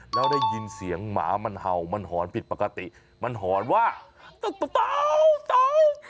แล้วได้ยินเสียงหมามันเห่ามันหอนผิดปกติมันหอนว่าเต้า